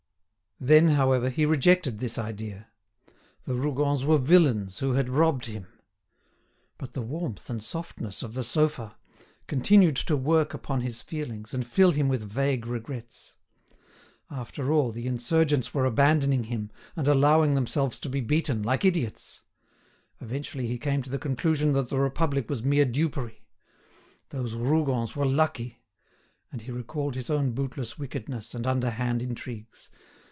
Then, however, he rejected this idea. The Rougons were villains who had robbed him. But the warmth and softness of the sofa, continued to work upon his feelings, and fill him with vague regrets. After all, the insurgents were abandoning him, and allowing themselves to be beaten like idiots. Eventually he came to the conclusion that the Republic was mere dupery. Those Rougons were lucky! And he recalled his own bootless wickedness and underhand intrigues.